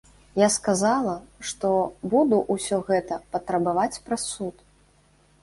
Я сказала, што буду ўсё гэта патрабаваць праз суд.